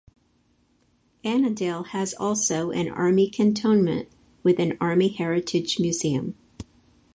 Annadale has also an army cantonment with an Army Heritage Museum.